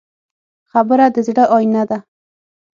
خبره د زړه آیینه ده.